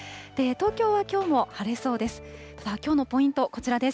東京はきょうも晴れそうです。